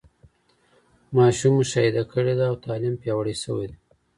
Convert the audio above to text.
ماشوم مشاهده کړې ده او تعليم پياوړی سوی دی.